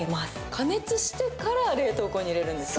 加熱してから冷凍庫に入れるんですか？